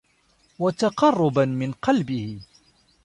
وَتَقَرُّبًا مِنْ قَلْبِهِ